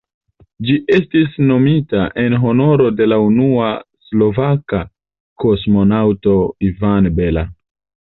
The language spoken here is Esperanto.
Ĝi estis nomita en honoro de la unua slovaka kosmonaŭto Ivan Bella.